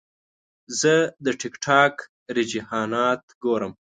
زه د ټک ټاک رجحانات ګورم.